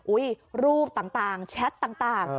อุ๊ยรูปต่างแชทต่าง